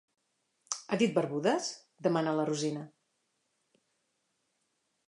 Ha dit barbudes? —demana la Rosina.